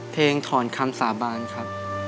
เพลงถอนคำสาบานครับ